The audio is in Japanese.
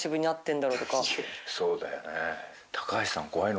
そうだよね。